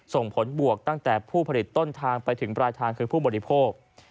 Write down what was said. ส่งผลบวกตั้งแต่ผู้ผลิตต้นทางไปถึงปลายทางคือผู้บริโภค